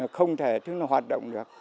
không thể tứ này hoạt động được